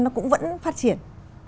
nó cũng vẫn phát triển